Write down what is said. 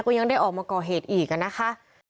ก็ยังได้ออกมาก่อเหตุอีกนะคะ